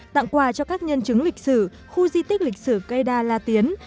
tặng quà cho các nhân chứng lịch sử khu di tích lịch sử cây đa la tiến